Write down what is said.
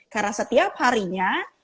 karena setiap harinya